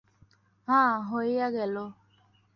হাঁ, হইয়া গেল।